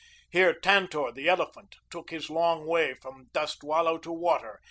Here Tantor, the elephant, took his long way from dust wallow to water.